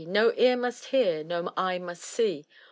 No ear must hear, no eye must see.